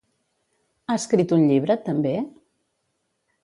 Ha escrit un llibre, també?